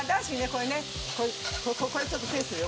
これねこれちょっとペッするよ